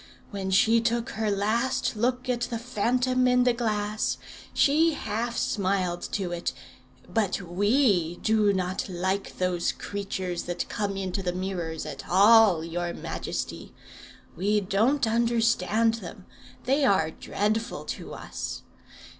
When she took her last look at the phantom in the glass, she half smiled to it. But we do not like those creatures that come into the mirrors at all, your majesty. We don't understand them. They are dreadful to us.